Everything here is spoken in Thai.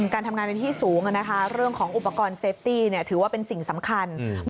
การทำงานเป็นที่สูงเรื่องของอุปกรณ์เซฟตี้ถือว่าเป็นสิ่งสำคัญ